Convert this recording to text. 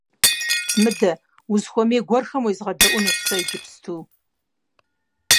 Мыдэ, узыхуэмей гуэрхэм уезгъэдэӏуэнущ сэ иджыпсту.